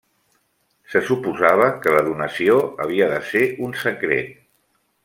Se suposava que la donació havia de ser un secret.